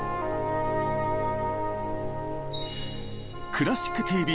「クラシックＴＶ」